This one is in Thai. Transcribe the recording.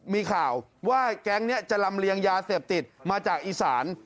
มีข่าวว่าแก๊งนี้จะลำเลียงยาเสพติดมาจากอีสาน